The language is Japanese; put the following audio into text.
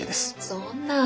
そんなぁ。